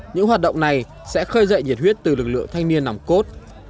những hoạt động này sẽ khơi dậy nhiệt huyết từ lực lượng thanh niên nòng cốt